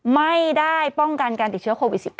ไม่ได้ป้องกันการติดเชื้อโควิด๑๙